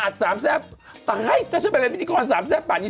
สามแซ่บตายถ้าฉันไปเป็นพิธีกรสามแซ่บป่านนี้